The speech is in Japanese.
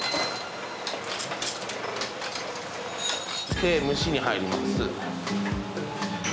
で蒸しに入ります。